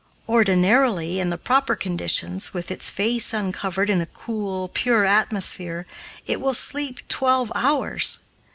Ordinarily, in the proper conditions, with its face uncovered in a cool, pure atmosphere, it will sleep twelve hours.